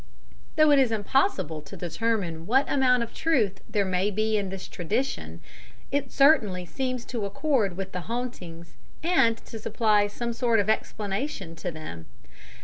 Though it is impossible to determine what amount of truth there may be in this tradition, it certainly seems to accord with the hauntings, and to supply some sort of explanation to them.